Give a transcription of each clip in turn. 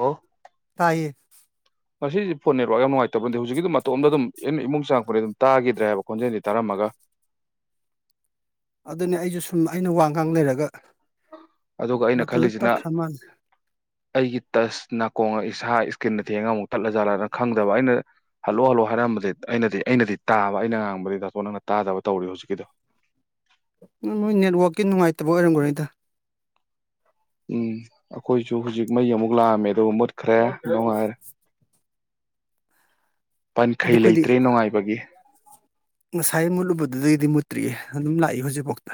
ꯍꯣ [unintelligible] ꯌꯦ ꯉꯁꯤꯁꯦ ꯐꯣꯟ ꯅꯦꯠꯋꯥꯛ ꯌꯥꯝ ꯅꯨꯡꯉꯥꯏꯇꯕꯟꯇꯦ ꯍꯧꯖꯤꯛꯀꯤꯗꯣ ꯃꯇꯣꯝꯗ ꯑꯗꯨꯝ ꯑ ꯏꯃꯨꯡ ꯆꯥꯉꯛꯄꯗꯩꯩ ꯑꯗꯨꯝ ꯇꯥꯈꯤꯗ꯭ꯔꯦ ꯍꯥꯏꯕ ꯈꯣꯟꯖꯦꯜꯗꯤ ꯇꯥꯔꯝꯃꯒ ꯑꯗꯨꯅꯦ ꯑꯩꯁꯨ ꯁꯨꯝ ꯑꯩꯅ ꯋꯥꯒꯥꯡ ꯂꯩꯔꯒ ꯑꯗꯨꯒ ꯑꯩꯅ ꯃꯊꯟꯇ ꯈꯜꯂꯤꯁꯤꯅ ꯇꯠꯈ꯭ꯔ ꯃꯥꯜꯂꯦ ꯑꯩꯒꯤ ꯇꯁ ꯅꯥꯀꯣꯡ ꯏꯁꯥ ꯏꯁꯀ꯭ꯔꯤꯟꯟꯅ ꯊꯦꯡꯉꯒ ꯑꯃꯨꯛ ꯊꯠꯂꯖꯠꯂꯅ ꯈꯪꯗꯕ ꯑꯩꯅ ꯍꯜꯂꯛ ꯍꯜꯂꯛꯑꯣ ꯍꯥꯏꯔꯝꯕꯗꯤ ꯑꯩꯅꯗꯤ ꯑꯩꯅꯗꯤ ꯇꯥꯕ ꯑꯩꯅ ꯉꯥꯡꯕꯗꯤ ꯇꯥꯇꯣ ꯅꯪꯅ ꯇꯥꯗꯕ ꯇꯧꯔꯤ ꯍꯧꯖꯤꯛꯀꯤꯗꯣ ꯅꯣꯏ ꯅꯦꯠꯋꯥꯛꯀꯤ ꯅꯨꯡꯉꯥꯏꯇꯕ ꯑꯣꯏꯔꯝꯈ꯭ꯔꯦꯗ ꯎꯝ ꯑꯩꯈꯣꯏꯁꯨ ꯍꯧꯖꯤꯛ ꯃꯩ ꯑꯃꯨꯛ ꯂꯥꯛꯑꯝꯃꯦ ꯑꯗꯨ ꯃꯨꯠꯈ꯭ꯔꯦ ꯅꯨꯪꯉꯥꯏꯔ‌ꯦ ꯍꯥꯏꯗꯤ ꯄꯉꯟꯈꯩ ꯑꯩꯈꯣꯏꯗꯤ ꯂꯩꯇ꯭ꯔꯦ ꯅꯨꯡꯉꯥꯏꯕꯒꯤ ꯉꯁꯥꯏ ꯃꯨꯠꯂꯨꯕꯗꯨꯗꯒꯤꯗꯤ ꯃꯨꯠꯇ꯭ꯔꯤꯑ ꯑꯗꯨꯝ ꯂꯥꯛꯏ ꯍꯧꯖꯤꯛꯐꯥꯎꯗ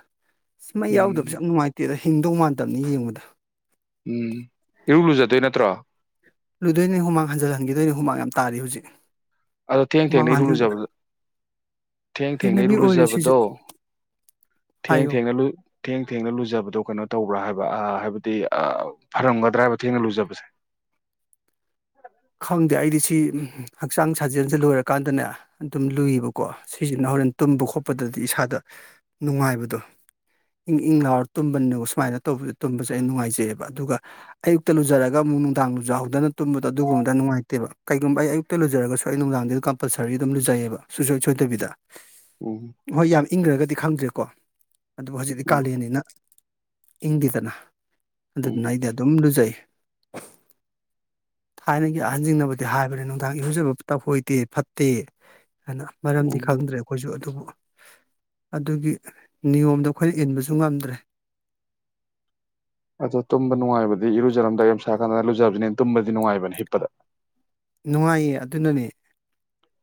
ꯁꯃꯥꯏ ꯌꯥꯎꯗꯕꯁꯨ ꯎꯝ ꯌꯥꯝ ꯅꯨꯡꯉꯥꯏꯇꯦꯔ ꯍꯤꯡꯗꯧ ꯃꯥꯟꯇꯕꯅꯤ ꯌꯦꯡꯕꯗꯥ ꯎꯝ ꯏꯔꯨ ꯂꯨꯖꯗꯣꯏ ꯅꯠꯇ꯭ꯔꯣ ꯂꯨꯗꯣꯏꯅꯦ ꯍꯨꯃꯥꯡ ꯍꯟꯖꯤꯜ ꯍꯟꯈꯤꯗꯣꯏꯅꯦ ꯍꯨꯃꯥꯡ ꯌꯥꯝ ꯇꯥꯔꯤ ꯍꯧꯖꯤꯛ ꯑꯗꯣ ꯊꯦꯡ ꯊꯦꯡꯅ ꯍꯨꯃꯥꯡ ꯏꯔꯨ ꯍꯟꯖꯤꯟ ꯂꯨꯖꯕꯗ ꯊꯦꯡ ꯊꯦꯡꯅ ꯍꯩꯅꯕꯤ ꯏꯔꯨ ꯑꯣꯏꯔꯦ ꯁꯤꯁꯨ ꯂꯨꯖꯕꯗꯣ ꯊꯦꯡ ꯍꯥꯏꯌꯣ ꯊꯦꯡꯅ ꯊꯦꯡ ꯊꯦꯡꯅ ꯂꯨꯖꯕꯗꯣ ꯀꯩꯅꯣ ꯇꯧꯕ꯭ꯔꯥ ꯍꯥꯏꯕ ꯍꯥꯏꯕꯗꯤ ꯐꯔꯝꯒꯗ꯭ꯔꯥ ꯍꯥꯏꯕ ꯊꯦꯡꯅ ꯂꯨꯖꯕꯁꯦ ꯈꯪꯗꯦ ꯑꯩꯗꯤ ꯁꯤ ꯍꯛꯆꯥꯡ ꯁꯥꯖꯦꯜꯁꯦ ꯂꯣꯏꯔꯀꯥꯟꯗꯅꯦ ꯑꯗꯨꯝ ꯂꯨꯏꯌꯦꯕꯀꯣ ꯁꯤꯁꯤꯅ ꯍꯣꯔꯦꯟ ꯇꯨꯝꯕ ꯈꯣꯠꯄꯗꯗꯤ ꯏꯁꯥꯗ ꯅꯨꯡꯉꯥꯏꯕꯗꯣ ꯏꯪ ꯏꯪ ꯂꯥꯎꯔ ꯇꯨꯝꯕꯅꯤꯅꯀ ꯁꯨꯃꯥꯏꯅ ꯇꯧꯕꯗ ꯇꯨꯝꯕꯁꯦ ꯑꯩ ꯅꯨꯡꯉꯥꯏꯖꯩꯑꯕ ꯑꯗꯨꯒ ꯑꯌꯨꯛꯇ ꯂꯨꯖꯔꯒ ꯑꯃꯨꯛ ꯅꯨꯡꯗꯥꯡ ꯂꯨꯖꯍꯧꯗꯅ ꯇꯨꯝꯕꯗꯣ ꯑꯗꯨꯒꯨꯝꯕꯗ ꯅꯨꯡꯉꯥꯏꯇꯦꯕ ꯀꯩꯒꯨꯝꯕ ꯑꯩ ꯑꯌꯨꯛꯇ ꯂꯨꯖꯔꯒꯁꯨ ꯑꯩ ꯅꯨꯡꯗꯥꯡꯗ ꯀꯝꯄꯜꯁꯔꯤ ꯑꯗꯨꯝ ꯂꯨꯖꯩꯌꯦꯕ ꯁꯨꯡꯁꯣꯏ ꯁꯣꯏꯗꯕꯤꯗ ꯎꯝ ꯍꯣꯏ ꯌꯥꯝ ꯏꯪꯈ꯭ꯔꯒꯗꯤ ꯈꯪꯗ꯭ꯔꯦꯀꯣ ꯑꯗꯨꯕꯨ ꯍꯧꯖꯤꯛꯇꯤ ꯎꯝ ꯀꯥꯂꯦꯟꯅꯤ ꯅ ꯏꯪꯗ‌ꯦꯗꯅ ꯑꯗꯨꯗꯨꯅ ꯎꯝ ꯑꯩꯗꯤ ꯑꯗꯨꯝ ꯂꯨꯖꯩ [unintelligible] ꯊꯥꯏꯅꯒꯤ ꯑꯍꯟꯁꯤꯡꯅꯕꯗꯤ ꯍꯥꯏꯕꯅꯤ ꯅꯨꯡꯗꯥꯡ ꯏꯍꯧꯖꯕ ꯇꯐ ꯍꯣꯏꯗꯦ ꯐꯠꯇꯦ ꯍꯥꯏꯅ ꯃꯔꯝꯗꯤ ꯎꯝ ꯈꯪꯗ꯭ꯔꯦ ꯑꯩꯈꯣꯏꯁꯨ ꯑꯗꯨꯕꯨ ꯑꯗꯨꯒꯤ ꯅꯤꯌꯣꯝꯗꯣ ꯑꯩꯈꯣꯏꯅ ꯏꯟꯕꯁꯨ ꯉꯝꯗ꯭ꯔꯦ ꯑꯗꯣ ꯇꯨꯝꯕ ꯅꯨꯡꯉꯥꯏꯕꯗꯤ ꯏꯔꯨꯖꯔꯝꯗꯥꯏ ꯌꯥꯝ ꯁꯥꯀꯥꯟꯗꯅ ꯂꯨꯖꯕꯕꯁꯤꯅꯤ ꯇꯨꯝꯕꯗꯤ ꯅꯨꯡꯉꯥꯏꯕꯅꯤ ꯍꯤꯞꯄꯗꯥ ꯅꯨꯡꯉꯥꯏꯌꯦ ꯑꯗꯨꯅꯅꯦ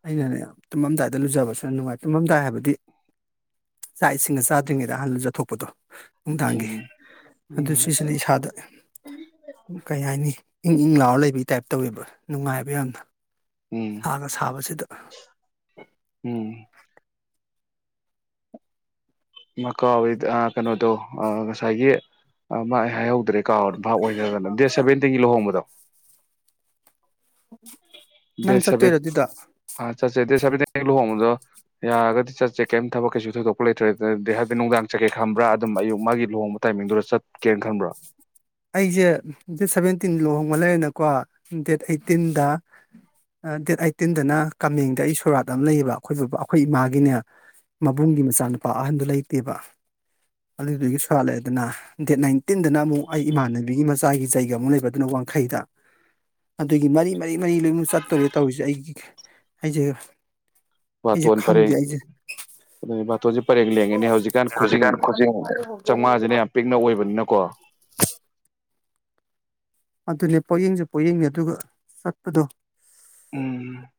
ꯑꯩꯅꯅꯦ ꯇꯨꯝꯃꯝꯗꯥꯏꯗ ꯂꯨꯖꯕꯕꯁꯤꯅ ꯅꯨꯡꯉꯥꯏ ꯇꯨꯝꯃꯝꯗꯥꯏ ꯍꯥꯏꯕꯗꯤ ꯆꯥꯛ ꯏꯁꯤꯡꯅ ꯆꯥꯗ꯭ꯔꯤꯉꯩꯗ ꯑꯍꯜꯗꯖꯠꯊꯣꯛꯄꯗꯣ ꯅꯨꯡꯗꯥꯡꯒꯤ ꯎꯝ ꯑꯗꯨ ꯎꯝ ꯁꯤꯁꯤꯅ ꯏꯁꯥꯗ ꯀꯩ ꯍꯥꯏꯅꯤ ꯏꯪ ꯏꯪ ꯂꯥꯎꯔ ꯂꯩꯕꯒꯤ ꯇꯥꯏꯞ ꯇꯧꯋꯦꯕ ꯅꯨꯡꯉꯥꯏꯕ ꯌꯥꯝꯅ ꯎꯝ ꯁꯥꯒ ꯁꯥꯕꯁꯤꯗ ꯎꯝ ꯏꯃ ꯀꯥꯎ ꯀꯩꯅꯣꯗꯣ ꯉꯁꯥꯏꯒꯤ ꯃꯥꯏ ꯍꯥꯏꯍꯧ ꯗ꯭ꯔ‌ꯦ ꯀꯥꯎꯗ ꯚꯥꯞ ꯑꯣꯏꯗꯗꯅꯥ ꯗꯦꯠ ꯁꯕꯦꯟꯇꯤꯡꯒꯤ ꯂꯨꯍꯣꯡꯕꯗꯣ ꯎꯝ ꯗꯦꯁ ꯁꯕ‌ꯦꯟꯠ ꯑꯥ ꯆꯠꯁ‌ꯦ ꯗꯦꯠ ꯁꯦꯕꯦꯟꯇꯤꯟ ꯂꯨꯍꯣꯪꯕꯥꯗ‌‌ꯣ ꯌꯥꯔꯒꯗꯤ ꯆꯠꯁꯦ ꯀꯩꯝ ꯊꯕꯛ ꯀꯩꯁꯨ ꯊꯣꯏꯗꯣꯛꯄ ꯂꯩꯇ꯭ꯔꯦ ꯑꯗꯨꯗꯤ ꯍꯥꯏꯕꯗꯤ ꯅꯨꯡꯗꯥꯡ ꯆꯠꯀꯦ ꯈꯟꯕ꯭ꯔꯥ ꯑꯗꯨꯝ ꯑꯌꯨꯛ ꯃꯥꯒꯤ ꯂꯨꯍꯣꯡꯕ ꯇꯥꯏꯃꯤꯡꯗꯨꯗ ꯆꯠꯀꯦꯅ ꯈꯟꯕ꯭ꯔꯥ ꯑꯩꯁꯦ ꯗꯦꯠ ꯁꯚꯦꯟꯇꯤꯟ ꯂꯨꯍꯣꯡꯕ ꯂꯩꯔꯦꯅꯀꯣ ꯗꯦꯠ ꯑꯩꯠꯇꯤꯟꯗ ꯗꯦꯠ ꯑꯩꯠꯇꯤꯟꯗꯅ ꯀꯃꯦꯡꯗ ꯑꯩ ꯁꯣꯔꯥꯠ ꯑꯃ ꯂꯩꯌꯦꯕ ꯑꯩꯈꯣꯏ ꯕꯕꯥ ꯑꯩꯈꯣꯏ ꯏꯃꯥꯒꯤꯅꯦ ꯃꯕꯨꯡꯒꯤ ꯃꯆꯥꯅꯨꯄꯥ ꯑꯍꯟꯗꯨ ꯂꯩꯇꯦꯕ ꯑꯗꯨꯗꯨꯒꯤ ꯁꯣꯔꯥꯠ ꯂꯩꯗꯅ ꯗꯦꯠ ꯅꯥꯏꯟꯇꯤꯟꯗꯅ ꯑꯃꯨꯛ ꯑꯩ ꯏꯃꯥꯟꯅꯕꯤꯒꯤ ꯃꯆꯥꯒꯤ ꯖꯒ ꯑꯃꯨꯛ ꯂꯩꯕꯗꯨꯅ ꯋꯥꯡꯈꯩꯗ ꯑꯗꯨꯒꯤ ꯃꯔꯤ ꯃꯔꯤ ꯃꯔꯤ ꯂꯣꯏꯅꯨ ꯆꯠꯇꯣꯔꯦ ꯇꯧꯔꯤꯁꯦ ꯑꯩꯒꯤ ꯑꯩꯁꯦ ꯑꯩꯁꯦ ꯕꯥꯇꯣꯟ ꯈꯪꯗꯦ ꯄꯔꯦꯡ ꯑꯩꯁꯦ ꯑꯗꯨ ꯕꯥꯇꯣꯟꯁꯦ ꯄꯔꯦꯡ ꯂꯦꯡꯉꯦꯅꯦ ꯍꯧꯖꯤꯛꯀꯥꯟ ꯈꯨꯖꯤꯡ ꯆꯥꯃꯉꯥꯁꯤꯅ ꯌꯥꯝ ꯄꯤꯛꯅ ꯑꯣꯏꯕꯅꯤꯅꯀꯣ ꯑꯗꯨꯅꯦ ꯄꯣꯛꯌꯦꯡꯁꯨ ꯄꯣꯛꯌꯦꯡꯅꯦ ꯑꯗꯨꯒ ꯆꯠꯄꯗꯣ ꯎꯝ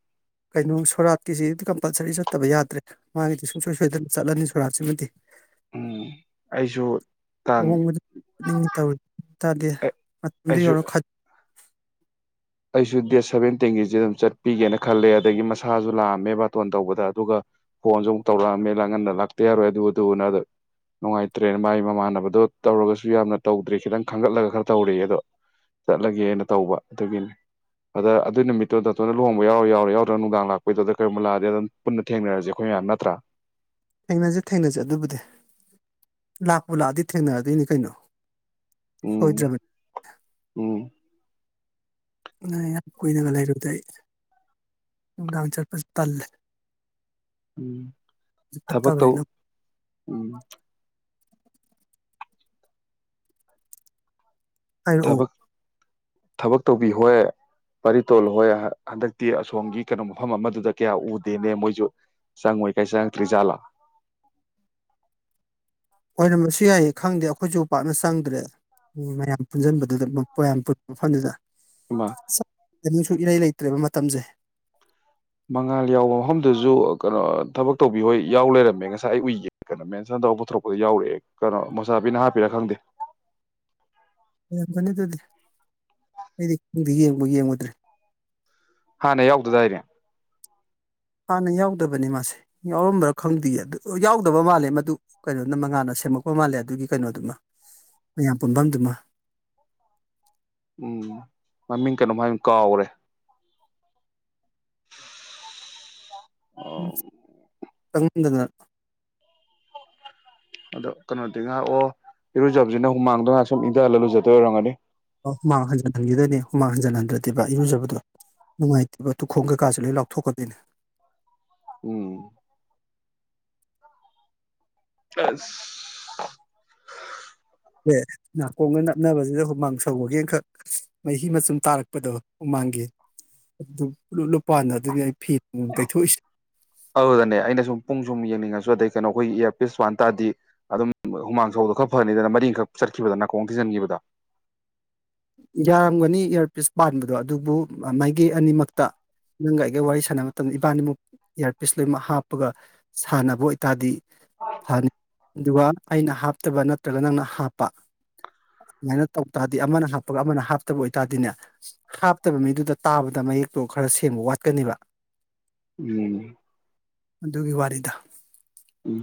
ꯀꯩꯅꯣ ꯁꯣꯔꯥꯠꯀꯤꯁꯤ ꯀꯝꯄꯜꯁꯔꯤ ꯆꯠꯇꯕ ꯌꯥꯗ꯭ꯔꯦ ꯃꯥꯒꯤꯗꯤ ꯁꯨꯡꯁꯣꯏ ꯁꯣꯏꯗꯅ ꯆꯠꯂꯅꯤ ꯁꯣꯔꯥꯠꯁꯤꯃꯗꯤ ꯎꯝ ꯑꯩꯁꯨ ꯇꯥꯡ ꯑꯍꯣꯡꯕꯗ ꯇꯧꯔꯤ ꯇꯥꯗꯦ ꯑꯗꯨꯏ ꯑꯩꯁꯨ ꯑꯣꯏꯔꯣ ꯈ ꯑꯩꯁꯨ ꯗꯦꯠ ꯁꯚꯦꯟꯇꯤꯟꯒꯤꯁꯤ ꯑꯗꯨꯝ ꯆꯠꯄꯤꯒꯦꯅ ꯈꯜꯂꯦ ꯑꯗꯒꯤ ꯃꯁꯥꯁꯨ ꯂꯥꯛꯑꯝꯃꯦ ꯕꯥꯇꯣꯟ ꯇꯧꯕꯗ ꯑꯗꯨꯒ ꯐꯣꯟꯁꯨ ꯑꯃꯨꯛ ꯇꯧꯔꯛꯑꯝꯃꯦꯅ ꯉꯟꯅ ꯂꯥꯛꯇ ꯌꯥꯔꯣꯏ ꯑꯗꯨꯗꯨꯕꯨꯅ ꯅꯨꯡꯉꯥꯏꯇ꯭ꯔꯦꯅ ꯃꯥꯒꯤ ꯃꯃꯥꯟꯅꯕꯗꯣ ꯇꯧꯔꯒꯁꯨ ꯌꯥꯝꯅ ꯇꯧꯗ꯭ꯔꯔꯤ ꯈꯤꯇꯪ ꯈꯟꯒꯠꯂꯒ ꯈꯔ ꯇꯧꯔꯛꯑꯦ ꯑꯗꯣ ꯆꯠꯂꯒꯦꯅ ꯇꯧꯕ ꯑꯗꯨꯒꯤꯅꯤ ꯑꯗ ꯑꯗꯨꯏ ꯅꯨꯃꯤꯠꯇꯣ ꯅꯇꯣꯏꯅ ꯂꯨꯍꯣꯡꯕ ꯌꯥꯎꯔ ꯌꯥꯎꯔꯣ ꯌꯥꯎꯗꯔꯣ ꯅꯨꯡꯗꯥꯡ ꯂꯥꯛꯄꯩꯗꯨꯗ ꯀꯔꯤꯒꯨꯝꯕ ꯂꯥꯛꯑꯗꯤ ꯑꯗꯨꯝ ꯄꯨꯟꯅ ꯊꯦꯡꯅꯔꯁꯦ ꯑꯩꯈꯣꯏ ꯃꯌꯥꯝ ꯅꯠꯇ꯭ꯔꯥ ꯊꯦꯡꯅꯁꯦ ꯊꯦꯡꯅꯁꯦ ꯑꯗꯨꯕꯨꯗꯤ ꯂꯥꯛꯄꯨ ꯂꯥꯛꯑꯗꯤ ꯊꯦꯡꯅꯔꯗꯣꯏꯅꯤ ꯀꯩꯅꯣ ꯎꯝ ꯁꯣꯏꯗ꯭ꯔꯕꯗꯤ ꯎꯝ ꯅ ꯌꯥꯝ ꯀꯨꯏꯅꯒ ꯂꯩꯔꯨꯗꯦ ꯑꯩ ꯅꯨꯡꯗꯥꯡ ꯆꯠꯄꯁꯨ ꯇꯜꯂꯦ ꯎꯝ ꯊꯕ ꯐꯠꯇꯕꯅꯤꯅ ꯇꯧ ꯎꯝ ꯍꯥꯏꯔꯛꯑꯣ ꯊꯕꯛ ꯊꯕꯛ ꯇꯧꯕꯤ ꯍꯣꯏ ꯄꯔꯤ ꯇꯣꯜ ꯍꯣꯏ ꯍꯟꯗꯛꯇꯤ ꯑꯁꯣꯝꯒꯤ ꯀꯩꯅꯣ ꯃꯐꯝ ꯑꯃꯗꯨꯗ ꯀꯌꯥ ꯎꯗꯦꯅꯦ ꯃꯣꯏꯁꯨ ꯆꯪꯉꯣꯏ ꯀꯥꯏ ꯆꯪꯉꯛꯇ꯭ꯔꯤ ꯖꯥꯠꯂꯥ ꯍ ꯅ ꯃꯁꯨ ꯌꯥꯏꯌꯦ ꯈꯪꯗꯦ ꯑꯩꯈꯣꯏꯁꯨ ꯄꯥꯛꯅ ꯆꯪꯗ꯭ꯔꯦ ꯃꯌꯥꯝ ꯄꯨꯟꯁꯤꯟꯕꯗꯨꯗꯌꯥꯝ ꯄꯨ ꯃꯐꯝꯗꯨꯗ ꯃꯥ ꯀꯩꯅꯨꯁꯨ ꯏꯔꯩ ꯂꯩꯇ꯭ꯔꯦꯕ ꯃꯇꯝꯁꯦ ꯃꯉꯥꯜ ꯌꯥꯎꯕ ꯃꯐꯝꯗꯨꯁꯨ ꯀꯩꯅꯣ ꯊꯕꯛ ꯇꯧꯕꯤꯍꯣꯏ ꯌꯥꯎ ꯂꯩꯔꯝꯃꯦ ꯉꯁꯥꯏ ꯑꯩ ꯎꯏꯒꯦ ꯀꯩꯅꯣ ꯃꯦꯟꯁꯟ ꯇꯧ ꯄꯨꯊꯣꯔꯛꯄꯗ ꯌꯥꯎꯔꯛꯑꯦ ꯀꯩꯅꯣ ꯃꯣꯁꯥꯕꯤꯅ ꯍꯥꯞꯄꯤꯔꯥ ꯈꯪꯗꯦ ꯌꯥꯝ ꯐꯅꯤ ꯑꯗꯨꯗꯤ ꯑꯩꯗꯤꯗꯤ ꯌꯦꯡꯕ ꯌꯦꯡꯉꯨꯗ꯭ꯔꯦ ꯍꯥꯟꯅ ꯌꯥꯎꯗꯗꯥꯏꯔꯦ ꯍꯥꯟꯅ ꯌꯥꯎꯗꯕꯅꯤ ꯃꯥꯁꯦ ꯌꯥꯎꯔꯝꯕ꯭ꯔꯥ ꯈꯪꯗꯦꯌꯦ ꯑꯗꯨ ꯌꯥꯎꯗꯕ ꯃꯥꯜꯂꯦ ꯃꯗꯨ ꯀꯩꯅꯣꯅ ꯃꯉꯥꯟꯜꯅ ꯁꯦꯝꯃꯛꯄ ꯃꯥꯜꯂꯦ ꯑꯗꯨꯒꯤ ꯀꯩꯅꯣꯗꯨꯃ ꯃꯌꯥꯝ ꯄꯨꯟꯐꯝꯗꯨꯃ ꯎꯝ ꯃꯃꯤꯡ ꯀꯩꯅꯣꯝꯃ ꯀꯥꯎꯔꯦ ꯎꯝꯪ ꯍꯅ ꯑꯗꯣ ꯀꯩꯅꯣꯗꯤ ꯉꯥꯏꯍꯥꯛ ꯑꯣ ꯏꯔꯨꯖꯕꯁꯤꯅ ꯍꯨꯃꯥꯡꯗꯣ ꯉꯥꯏꯍꯥꯛ ꯁꯨꯝ ꯏꯟꯊꯜꯂ ꯂꯨꯖꯗꯕ ꯑꯣꯏꯔꯝꯒꯅꯤ ꯑꯣ ꯍꯨꯃꯥꯡ ꯍꯟꯖꯤꯟ ꯍꯟꯈꯤꯗꯣꯏꯅꯦ ꯍꯨꯃꯥꯡ ꯍꯟꯖꯤꯟ ꯍꯟꯗ꯭ꯔꯗꯤꯦꯕ ꯏꯔꯨꯖꯕꯗꯣ ꯅꯨꯡꯉꯥꯏꯇꯦꯕ ꯇꯨꯈꯣꯡ ꯀꯩꯀꯥꯁꯨ ꯂꯣꯏ ꯂꯥꯎꯊꯣꯛꯀꯗꯣꯏꯅꯦ ꯎꯝ ꯑ ꯑꯦ ꯅꯥꯀꯣꯡꯒ ꯅꯛꯅꯕꯁꯤꯗ ꯍꯨꯃꯥꯡ ꯁꯧꯕꯒꯤ ꯑꯃꯈꯛ ꯃꯍꯤ ꯃꯆꯨꯝ ꯇꯥꯔꯛꯄꯗꯣ ꯍꯨꯃꯥꯡꯒꯤ ꯑꯗꯨ ꯂꯨꯄꯥꯟꯅ ꯑꯗꯨꯅꯤ ꯐꯤ ꯇꯩꯊꯣꯛꯏꯁꯦ ꯑꯗꯨꯗꯅꯦ ꯑꯩꯅ ꯁꯨꯝ ꯄꯨꯡ ꯁꯨꯝ ꯌꯦꯡꯅꯤꯡꯉꯁꯨ ꯑꯗꯩ ꯀꯩꯅꯣ ꯑꯩꯈꯣꯏꯒꯤ ꯑꯦꯞ ꯄꯤꯁ ꯋꯥꯟ ꯇꯗꯤ ꯑꯗꯨꯝ ꯍꯨꯃꯥꯡ ꯁꯧꯗꯣ ꯈꯔ ꯐꯔꯅꯤꯗꯅ ꯃꯔꯤꯡꯈꯛ ꯆꯠꯈꯤꯕꯗ ꯅꯥꯀꯣꯡ ꯊꯤꯖꯤꯟꯈꯤꯕꯗꯣ ꯌꯥꯔꯝꯒꯅꯤ ꯏꯌꯥꯔꯄꯤꯁ ꯄꯥꯟꯕꯗꯣ ꯑꯗꯨꯕꯨ ꯃꯥꯏꯀꯩ ꯑꯅꯤꯃꯛꯇ ꯅꯪꯒ ꯑꯩꯒ ꯋꯥꯔꯤ ꯁꯥꯟꯅꯕ ꯃꯇꯝꯗ ꯏꯕꯥꯅꯤꯃꯨꯛ ꯏꯌꯥꯔꯄꯤꯤꯁ ꯂꯣꯏꯅꯃꯛ ꯍꯥꯞꯄꯒ ꯁꯥꯟꯅꯕ ꯑꯣꯏꯇꯥꯔꯗꯤ ꯐꯅꯤ ꯑꯗꯨꯒ ꯑꯩꯅ ꯍꯥꯞꯇꯕ ꯅꯠꯇ ꯀꯩꯅꯣ ꯅꯪꯅ ꯍꯥꯞꯄ ꯑꯗꯨꯃꯥꯏꯅ ꯇꯧ ꯇꯥꯔꯗꯤ ꯑꯃꯅ ꯍꯥꯞꯄ ꯊꯕꯛ ꯑꯃꯅ ꯍꯥꯞꯇꯕ ꯑꯣꯏꯇꯥꯔꯗꯤꯅꯦ ꯍꯥꯞꯇꯕ ꯃꯤꯗꯨꯗ ꯇꯥꯕꯗ ꯃꯌꯦꯛꯇꯣ ꯈꯔ ꯁꯦꯝꯦꯡꯕ ꯋꯥꯠꯀꯅꯦꯕ ꯎꯝ ꯑꯗꯨꯒꯤ ꯋꯥꯔꯤꯗ ꯎꯝ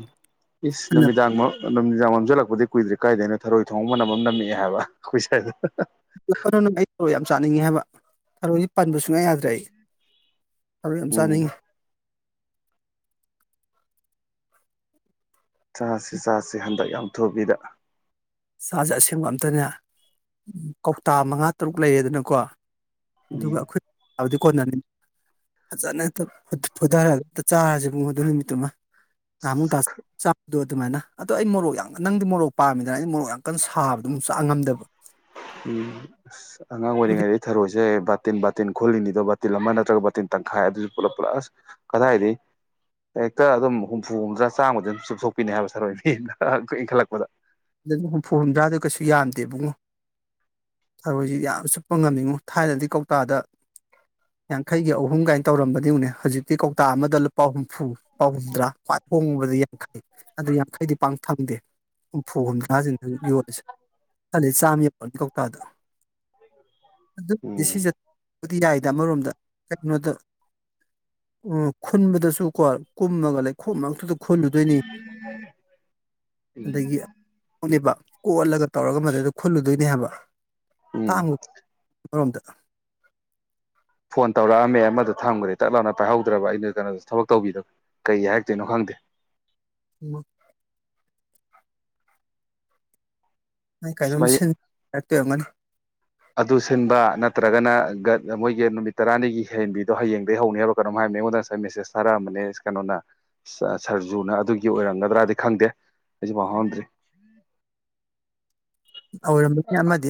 ꯏꯁ ꯑꯗꯨꯅ ꯅꯨꯃꯤꯗꯥꯡꯃꯛ ꯅꯨꯃꯤꯗꯥꯡ ꯅꯝꯁꯤꯜꯂꯛꯄꯗꯤ ꯀꯨꯏꯗ꯭ꯔꯤ ꯀꯥꯏꯗꯣꯏꯅꯣ ꯊꯔꯣꯏ ꯊꯣꯡꯉꯕ ꯃꯅꯝ ꯅꯝꯃꯛꯑꯦ ꯍꯥꯏꯕ ꯑꯩꯈꯏꯁꯏꯗ ꯩꯅ ꯑꯩ ꯊꯔꯣ ꯌꯥꯝ ꯆꯥꯅꯤꯡꯉꯤ ꯍꯥꯏꯕ ꯊꯔꯣꯗꯤ ꯄꯟꯕ ꯁꯨꯡꯉꯥꯏ ꯌꯥꯗ꯭ꯔꯦ ꯑꯩ ꯑ ꯑꯝꯁꯥꯅꯤ ꯎꯝ [unintelligible] ꯆꯥꯁꯤ ꯆꯥꯁꯤ ꯍꯟꯗꯛ ꯌꯥꯝꯊꯨꯕꯤꯗ ꯆꯥꯁꯦ ꯑꯁꯦꯡꯕ ꯑꯝꯇꯅꯦ ꯀꯧꯇꯥ ꯃꯉꯥ ꯇꯔꯨꯛ ꯂꯩꯌꯦꯦꯗꯅꯀꯣ ꯑꯗꯨꯒ ꯎꯝ ꯑꯩꯈꯣꯏꯗꯤ ꯀꯣꯟꯅꯅꯤ ꯐꯖꯅ ꯍꯦꯛꯇ ꯐꯣꯊꯔꯒ ꯆꯥꯔꯁꯤꯕꯨꯡ ꯑꯗꯨ ꯅꯨꯃꯤꯠꯇꯨꯃ ꯉꯃꯨ ꯇ ꯆꯗ ꯑꯗꯨꯃꯥꯏꯅ ꯑꯗꯣ ꯑꯩ ꯃꯣꯔꯣꯛ ꯌꯥꯝ ꯅꯪꯗꯤ ꯃꯣꯔꯣꯛ ꯄꯥꯃꯤꯅ ꯑꯩꯩꯅ ꯃꯣꯔꯣꯛ ꯌꯥꯝ ꯀꯀ ꯁꯥꯕꯗꯣ ꯑꯗꯨꯝꯛꯥꯛ ꯉꯝꯗꯕ ꯎꯝ ꯑꯁ ꯑꯉꯥꯡ ꯑꯣꯏꯔꯤꯉꯩꯗ ꯊꯔꯣꯏꯁꯦ ꯕꯥꯇꯤꯟ ꯕꯥꯇꯤꯟꯜꯣꯜꯂꯤꯅꯤꯗꯣ ꯕꯥꯇꯤꯟ ꯑꯃ ꯅꯠꯇ꯭ꯔꯒ ꯕꯥꯇꯤꯟ ꯇꯪꯈꯥꯏ ꯑꯗꯨꯁꯨ ꯄꯨꯂꯞ ꯄꯨꯂꯁ ꯀꯗꯥꯏꯗꯒꯤ ꯍꯦꯛꯇ ꯑꯗꯨꯝ ꯍꯨꯝꯐꯨ ꯍꯨꯝꯗ꯭ꯔꯥ ꯆꯥꯝꯃꯗ ꯑꯗꯨꯝ ꯆꯨꯞꯊꯣꯛꯄꯤꯅꯤ ꯍꯥꯏꯕ ꯁꯥꯔꯣꯏ ꯃꯤꯅ ꯏꯟꯈꯠꯂꯛꯄꯗ ꯍꯨꯝꯐꯨ ꯍꯨꯝꯗ꯭ꯔꯥꯗꯣ ꯀꯩꯁꯨ ꯌꯥꯝꯗꯦꯕꯨꯡꯉꯣ ꯊꯔꯣꯏꯁꯤ ꯌꯥꯝ ꯆꯨꯞꯄ ꯉꯝꯃꯤꯉꯣ ꯊꯥꯏꯅꯗꯤ ꯀꯧꯇꯥꯗ ꯌꯥꯡꯈꯩꯒꯤ ꯑꯍꯨꯝ ꯀꯥꯏꯅ ꯇꯧꯔꯝꯕꯅꯤꯅꯦ ꯍꯧꯖꯤꯛꯇꯤ ꯀꯧꯇꯥ ꯑꯃꯗ ꯂꯨꯄꯥ ꯍꯨꯝꯐꯨ ꯂꯨꯄꯥ ꯍꯨꯝꯗ꯭ꯔꯥ ꯈ꯭ꯋꯥꯏ ꯍꯣꯡꯉꯨꯕꯗꯤ ꯌꯥꯡꯈꯩ ꯑꯗꯨ ꯌꯥꯡꯈꯩꯗꯤ ꯄꯥꯡ ꯊꯪꯗꯦ ꯐꯨ ꯍꯨꯝꯗꯉꯥꯁꯤꯅ ꯍꯧꯖꯤꯛ ꯌꯣꯜꯂꯤꯁꯦ ꯈꯂ ꯆꯥꯝꯃ ꯌꯧꯅꯤ ꯀꯧꯇꯥꯗꯣ ꯎꯝ ꯁꯤ ꯌꯥꯏ ꯑꯃꯔꯣꯝꯗ ꯀꯩꯅꯣꯗ ꯎ ꯈꯨꯟꯕꯗꯁꯨ ꯀꯣ ꯀꯨꯝꯃꯒ ꯂꯩꯈꯣꯝ ꯃꯔꯛꯇꯨꯗ ꯈꯣꯂꯨꯗꯣꯏꯅꯤ ꯎꯝ ꯑꯗꯒꯤ ꯠꯂꯤꯕ ꯀꯣꯠꯂꯒ ꯇꯧꯔꯒ ꯃꯗꯨꯗ ꯈꯨꯜꯂꯨꯗꯣꯏꯅꯦ ꯍꯥꯏꯕ ꯎꯝ ꯀꯥꯡꯪꯉꯨ ꯑꯃꯔꯣꯝꯗ ꯐꯣꯟ ꯇꯧꯔꯛꯑꯝꯃꯦ ꯑꯃꯗ ꯊꯝꯈ꯭ꯔꯦ ꯇꯠ ꯂꯥꯎꯞꯅ ꯄꯥꯏꯍꯧꯗ꯭ꯔꯕ ꯑꯩꯅ ꯀꯩꯅꯣꯗ ꯊꯕꯛ ꯇꯧꯕꯤꯗꯕ ꯀꯩ ꯍꯥꯏꯔꯛꯇꯣꯏꯅꯣ ꯈꯪꯗꯦ ꯎ ꯅ ꯀꯩꯅꯣꯝ ꯃꯩ ꯁꯤꯟ ꯍꯥꯏꯔꯛꯇꯣꯏꯔꯝꯒꯅꯤ ꯑꯗꯨ ꯁꯤꯟꯕ ꯅꯠꯇ꯭ꯔꯒꯅꯒ ꯃꯣꯏꯒꯤ ꯅꯨꯃꯤꯠ ꯇꯔꯥꯅꯤꯒꯤ ꯍꯍꯦꯟꯕꯤꯗꯣ ꯍꯌꯦꯡꯗꯒꯤ ꯍꯧꯅꯦꯕ ꯀꯩꯅꯣꯝ ꯍꯥꯏꯕꯅꯤ ꯑꯩꯉꯣꯟꯗ ꯉꯁꯥꯏ ꯃꯦꯁꯦꯁ ꯊꯥꯔꯛꯑꯝꯕꯅꯦ ꯀꯩꯅꯣꯅ ꯁꯔꯖꯨꯅ ꯑꯗꯨꯒꯤ ꯑꯣꯏꯔꯝꯒꯗ꯭ꯔꯥꯗꯤ ꯈꯪꯗꯦ ꯑꯩꯁꯨ ꯄꯥꯎꯍꯥꯎꯔꯝꯗ꯭ꯔꯤ ꯑꯣꯏꯔꯝꯕꯁ ꯑꯃꯗꯤ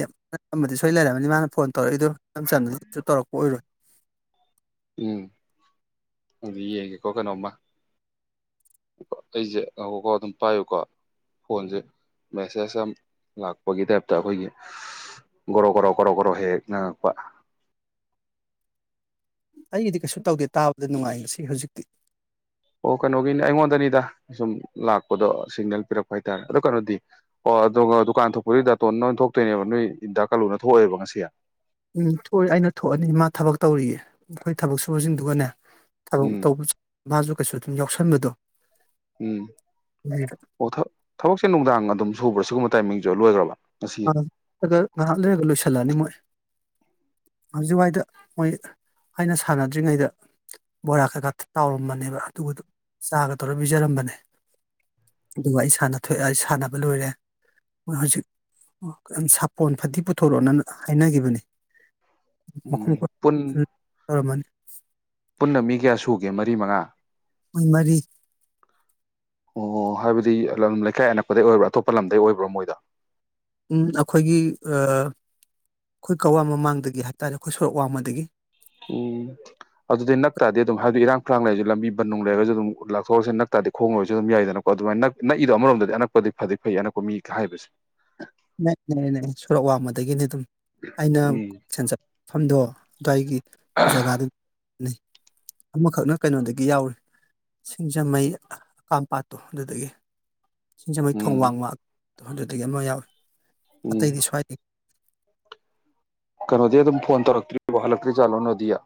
ꯑꯃꯗꯤ ꯁꯣꯏ ꯂꯩꯔꯝꯃꯅꯤ ꯃꯥꯅ ꯐꯣꯟ ꯇꯧꯔꯛꯏꯗꯨ ꯏꯆꯝ ꯆꯝꯅꯁꯨ ꯇꯧꯔꯛꯄ ꯑꯣꯏꯔꯣꯏ ꯎꯝ ꯑꯗꯨꯗꯤ ꯌꯦꯡꯒꯦꯀꯣ ꯀꯩꯅꯣꯝꯃ ꯑꯩꯁꯦ ꯉꯀꯥꯎ ꯑꯗꯨꯝ ꯄꯥꯏꯌꯨꯀꯣ ꯐꯣꯟꯁꯦ ꯃꯦꯁꯦꯖ ꯑꯃ ꯂꯥꯛꯄꯒꯤ ꯇꯥꯏꯞꯇ ꯑꯩꯈꯣꯏꯒꯤ ꯒꯣꯔꯣ ꯒꯣꯔꯣ ꯣꯔꯣ ꯣꯔꯣ ꯍꯦꯛ ꯅꯪꯉꯛꯄ ꯑꯩꯒꯤꯗꯤ ꯀꯩꯁꯨ ꯇꯧꯗꯦ ꯇꯥꯕ ꯑꯗꯨ ꯅꯨꯡꯉꯥꯏꯁꯤ ꯍꯧꯖꯤꯛꯇꯤ ꯑꯣ ꯀꯩꯅꯣꯒꯤꯅꯦ ꯑꯩꯉꯣꯟꯗꯅꯤꯗ ꯁꯨꯝ ꯂꯥꯛꯄꯗꯣ ꯁꯤꯒꯅꯦꯜ ꯄꯤꯔꯛꯄ ꯍꯥꯏꯇꯥꯔꯦ ꯑꯗꯣ ꯀꯩꯅꯣꯗꯤ ꯑꯣ ꯑ ꯗꯨꯀꯥꯟ ꯊꯣꯛꯄꯗꯨ ꯗꯥꯇꯣꯟꯣꯏ ꯊꯣꯛꯇꯣꯏꯅꯦꯕ ꯅꯣꯏ ꯏꯟꯗ ꯀꯂꯨꯅ ꯊꯣꯛꯑꯦꯕ ꯉꯁꯤꯦ ꯎꯝ ꯊꯣꯛꯑ ꯑꯩꯅ ꯊꯣꯛꯑꯅꯤ ꯃꯥ ꯊꯕꯛ ꯇꯧꯔꯤꯌꯦ ꯑꯩꯈꯣꯏ ꯊꯕꯛ ꯁꯨꯕꯁꯤꯡꯗꯨꯒꯅꯦ ꯊꯕꯛ ꯎꯝ ꯇꯧꯕ ꯃꯥꯁꯨ ꯀꯩꯁꯨ ꯑꯗꯨꯝ ꯌꯥꯎꯁꯟꯕꯗꯣ ꯎꯝ ꯎꯝ, ꯉꯥꯏꯍꯥꯛ ꯑꯣ ꯊꯕꯛꯁꯦ ꯅꯨꯡꯗꯥꯡ ꯑꯗꯨꯝ ꯁꯨꯕ꯭ꯔꯥ ꯁꯤꯒꯨꯝꯕ ꯇꯥꯏꯃꯤꯡ ꯂꯨ ꯂ ꯉꯥꯏꯍꯥꯛ ꯂꯩꯔꯒ ꯂꯣꯏꯁꯤꯜꯂꯛꯑꯅꯤ ꯃꯣꯏ ꯍꯧꯖꯤꯛꯋꯥꯏꯗ ꯃꯣꯏ ꯑꯩꯅ ꯁꯥꯟꯅꯗ꯭ꯔꯤꯉꯩꯗ ꯕꯣꯔꯥ ꯀꯩꯀꯥ ꯇꯥꯎꯔꯝꯕꯅꯦꯕ ꯑꯗꯨꯒꯗꯨ ꯆꯥꯒ ꯇꯧꯔ ꯄꯤꯖꯔꯝꯕꯅꯦ ꯑꯗꯨꯒ ꯑꯩ ꯁꯥꯟꯅ ꯊꯣꯛꯑꯦ ꯑꯩ ꯁꯥꯟꯅꯕ ꯂꯣꯏꯔꯦ ꯃꯣꯏ ꯍꯧꯖꯤꯛ ꯑꯣ ꯌꯥꯝ ꯁꯥꯄꯣꯟ ꯐꯗꯤ ꯄꯨꯊꯣꯔꯛꯑꯣꯅ ꯍꯥꯏꯅꯈꯤꯕꯅꯦ ꯎꯝ ꯃꯈꯐꯝ ꯄꯨꯟ ꯇꯧꯔꯝꯃꯅꯤ [unintelligible] ꯄꯨꯟꯅ ꯃꯤ ꯀꯌꯥ ꯁꯨꯒꯦ ꯃꯔꯤ ꯃꯉꯥ ꯃꯣꯏ ꯃꯔꯤ ꯑꯣ ꯍꯥꯏꯕꯗꯤ ꯂꯝ ꯂꯩꯀꯥꯏ ꯑꯅꯛꯄꯗꯩ ꯑꯣꯏꯕ꯭ꯔꯥ ꯑꯇꯣꯞꯄ ꯂꯝꯗꯩ ꯑꯣꯏꯕ꯭ꯔꯥ ꯃꯣꯏꯗ ꯎꯝ ꯑꯩꯈꯣꯏꯒꯤ ꯑꯩꯈꯣꯏ ꯀꯋꯥ ꯃꯃꯥꯡꯗꯒꯤ ꯍꯥꯏꯇꯥꯔꯦ ꯑꯩꯈꯣꯏ ꯁꯣꯔꯣꯛ ꯋꯥꯡꯃꯗꯒꯤ ꯎꯝ ꯑꯗꯨꯗꯤ ꯅꯛ ꯇꯗꯤ ꯑꯗꯨꯝ ꯍꯥꯏꯕꯗꯤ ꯏꯔꯥꯡ ꯐꯔꯥꯡ ꯂꯩꯔꯁꯨ ꯂꯝꯕꯤ ꯕꯟꯅꯨꯡ ꯂꯩꯔꯁꯨ ꯑꯗꯨꯝ ꯂꯥꯛꯊꯣꯛꯑꯁꯤ ꯅꯛ ꯇꯗꯤ ꯈꯣꯡꯉꯔꯁꯨ ꯑꯗꯨꯝ ꯌꯥꯏꯗꯅꯀꯣ ꯑꯗꯨꯃꯥꯏꯅ ꯅ ꯅꯛꯏꯗꯣ ꯑꯃꯔꯣꯝꯗꯗꯤ ꯑꯅꯛꯄꯗꯤ ꯐꯗꯤ ꯐꯩ ꯑꯅꯛꯄ ꯃꯤꯒ ꯍꯥꯏꯕꯁꯦ ꯅꯅꯦ ꯁꯨꯔꯛ ꯋꯥꯡꯃꯗꯒꯤꯅꯤ ꯑꯗꯨꯝ ꯑꯩꯅ ꯎꯝ ꯁ ꯆ ꯃꯐꯝꯗꯣ ꯑꯗꯨꯗꯥꯋꯥꯏꯒꯤ ꯖꯒꯥꯗꯨ ꯑꯃꯈꯛꯅ ꯀꯩꯅꯣꯗꯒꯤ ꯌꯥꯎꯔꯤ ꯁꯤꯡꯖꯃꯩ ꯑꯀꯥꯝꯄꯥꯥꯠꯇꯣ ꯑꯗꯨꯗꯒꯤ ꯁꯤꯡꯖꯃꯩ ꯊꯣꯡ ꯎꯝ ꯋꯥꯡꯃ ꯇꯨꯍꯟꯗꯨꯗꯒꯤ ꯑꯃ ꯌꯥꯎꯋꯦ ꯑꯇꯩ ꯎꯝ ꯑꯩꯗꯤ ꯁꯋꯥꯏ ꯀꯩꯅꯣꯗꯤ ꯑꯗꯨꯝ ꯐꯣꯟ ꯇꯧꯔꯛꯇ꯭ꯔꯤ ꯋꯥ ꯍꯜꯂꯛꯇ꯭ꯔꯤ ꯖꯥꯠꯂꯣ ꯅꯣꯗꯤꯌꯥ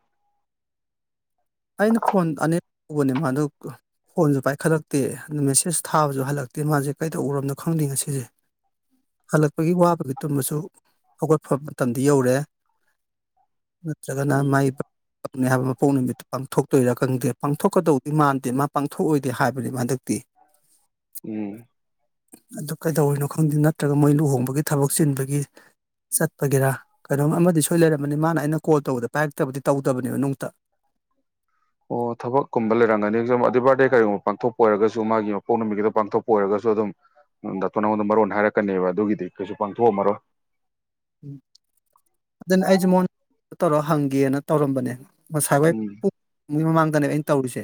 ꯑꯩꯅ ꯐꯣꯟ ꯑꯅꯦꯛ ꯎꯧꯕꯅꯦ ꯃꯥꯗꯨ ꯐꯣꯟꯁꯨ ꯄꯥꯏꯈꯠꯂꯛꯇꯦ ꯃꯦꯁꯦꯁ ꯊꯥꯕꯁꯨ ꯍꯜꯂꯛꯇꯦ ꯃꯥꯁꯦ ꯀꯩꯗꯧ ꯎꯔꯣꯅꯣ ꯈꯪꯅꯤꯡꯉ ꯁꯤꯁꯦ ꯍꯜꯂꯛꯄꯒꯤ ꯋꯥꯕꯒꯤ ꯇꯨꯝꯕꯁꯨ ꯍꯧꯒꯠꯄ ꯃꯇꯝꯗꯤ ꯌꯧꯔꯦ ꯅꯠꯇ꯭ꯔꯒꯅ ꯃꯥꯏ ꯎꯝ ꯄꯥꯛꯥꯛ ꯍꯥꯏꯕ ꯐꯣꯟꯕꯤ ꯄꯥꯡꯊꯣꯛꯇꯣꯏꯔꯥ ꯈꯪꯗꯦ ꯄꯥꯡꯊꯣꯛꯀꯗꯧꯗꯤ ꯃꯥꯟꯗꯦ ꯃꯥ ꯄꯥꯡꯊꯣꯛꯑꯣꯏꯗꯦ ꯍꯥꯏꯕꯅꯤ ꯃꯥꯗ ꯑꯗꯨ ꯎꯝ ꯀꯩꯗꯧꯔꯤꯅꯣ ꯈꯪꯗꯦ ꯅꯠꯇ꯭ꯔꯒ ꯃꯣꯏ ꯂꯨꯍꯣꯡꯕꯒꯤ ꯊꯕꯛ ꯆꯤꯟꯕꯒꯤ ꯆꯠꯄꯒꯤꯦꯔꯥ ꯀꯩꯅꯣꯝ ꯑꯃꯗꯤ ꯁꯣꯏ ꯂꯩꯔꯝꯃꯅꯤ ꯃꯥꯅ ꯑꯩꯅ ꯀꯣꯜ ꯇꯧꯕꯗ ꯄꯥꯏꯔꯛꯇꯕꯗꯤ ꯇꯧꯗꯕꯅꯦꯕ ꯅꯨꯡꯇ ꯑꯣ ꯊꯕꯛꯀꯨꯝꯕ ꯂꯩꯔꯝꯒꯅꯤ ꯁꯨꯝ ꯑꯗꯨ ꯕꯥꯔꯗꯦ ꯀꯔꯤꯒꯨꯝꯕ ꯄꯥꯡꯊꯣꯛꯄ ꯑꯣꯏꯔꯒꯁꯨ ꯃꯥꯒꯤ ꯃꯄꯣꯛ ꯅꯨꯃꯤꯠꯀꯤꯗ ꯄꯥꯡꯊꯣꯛꯄ ꯑꯣꯏꯔꯒꯁꯨ ꯑꯗꯨꯝ ꯗꯥꯛꯇꯔ ꯅꯉꯣꯟꯗ ꯃꯔꯣꯟ ꯍꯥꯏꯔꯛꯀꯅꯦꯕ ꯑꯗꯨꯒꯤꯗꯤ ꯀꯩꯁꯨ ꯄꯥꯡꯊꯣꯛꯑꯝꯃꯔꯣꯏ ꯑꯗꯨꯅ ꯑꯩꯖꯃꯣꯟꯣꯟ ꯇꯧꯔꯣ ꯍꯪꯒꯦꯅ ꯇꯧꯔꯝꯕꯅꯦ ꯎꯝ ꯁꯥꯏꯩꯥꯡ ꯅꯦ ꯏ ꯇꯧ ꯎꯁꯦ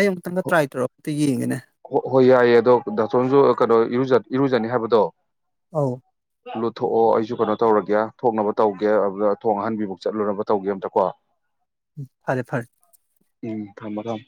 ꯏꯩ ꯇ꯭ꯔꯥꯏꯔꯣ ꯌꯦꯡꯒꯦꯅꯦ ꯍ ꯍꯣꯏ ꯌꯥꯏꯑꯌꯦ ꯑꯗꯣ ꯗꯥꯁꯣꯟꯁꯨ ꯀꯩꯅꯣ ꯏꯔ ꯏꯔꯨꯖꯅꯤ ꯍꯥꯏꯕꯗꯣ ꯑꯧ ꯂꯨꯊꯣꯛꯑꯣ ꯑꯩꯁꯨ ꯀꯩꯅꯣ ꯇꯧꯔꯒꯦ ꯊꯣꯡꯅꯕ ꯇꯧꯒꯦ ꯑꯗꯨꯗ ꯊꯣꯡ ꯑꯍꯟꯕꯤꯕꯨꯨꯛ ꯆꯠꯂꯨꯅꯕ ꯇꯧꯒꯦ ꯑꯝꯇ ꯀꯣ ꯎ ꯐꯔꯦ ꯐꯔꯦ ꯎꯝ ꯊꯝꯕ ꯊꯝ